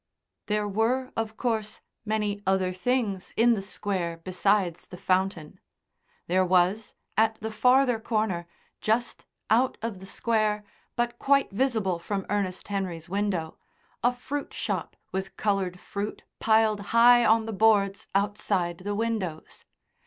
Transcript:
There were, of course, many other things in the Square besides the fountain. There was, at the farther corner, just out of the Square, but quite visible from Ernest Henry's window, a fruit shop with coloured fruit piled high on the boards outside the windows.